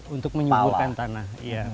untuk menyuburkan tanah